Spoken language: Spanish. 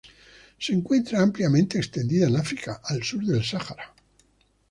Se encuentra ampliamente extendida en África al sur del Sahara.